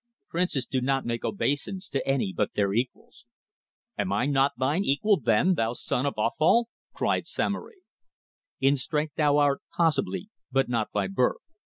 "Princes do not make obeisance to any but their equals." "Am I not thine equal, then, thou son of offal?" cried Samory. "In strength thou art, possibly, but not by birth.